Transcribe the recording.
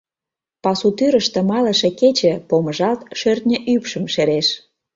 Пасу тӱрыштӧ малыше кече, Помыжалт, шӧртньӧ ӱпшым шереш.